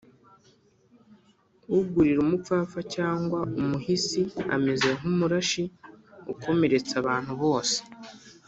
ugurira umupfapfa cyangwa umuhisi, ameze nk’umurashi ukomeretsa abantu bose